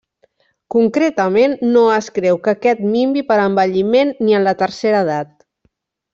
Concretament, no es creu que aquest minvi per envelliment ni en la tercera edat.